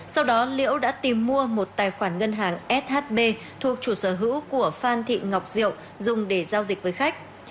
sau đó liễu đã tìm mua một tài khoản ngân hàng shb thuộc chủ sở hữu của phan thị ngọc diệu dùng để giao dịch với khách